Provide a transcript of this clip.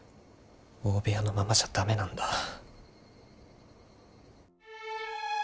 大部屋のままじゃ駄目なんだ。